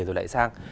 rồi lại sang